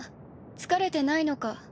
疲れてないのか？